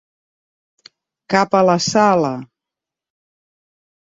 Cap a la sala.